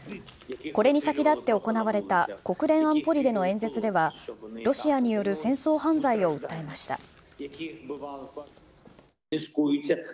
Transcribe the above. これに先立って行われた国連安保理での演説ではロシアによる戦争犯罪を訴えました。